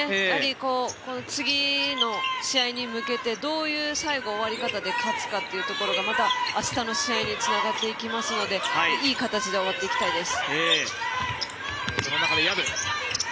次の試合に向けてどういう最後終わり方で勝つかっていうところが明日の試合につながっていきますのでいい形で終わっていきたいです。